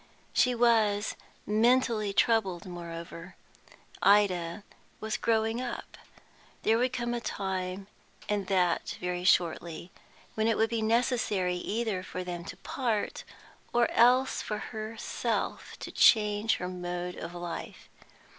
She was mentally troubled, moreover. Ida was growing up; there would come a time, and that very shortly, when it would be necessary either for them to part, or else for herself to change her mode of life.